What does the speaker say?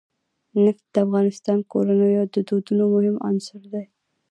نفت د افغان کورنیو د دودونو مهم عنصر دی.